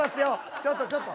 ちょっとちょっと。